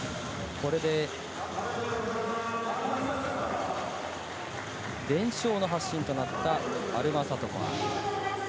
これで連勝の発進となったアルマサトファ。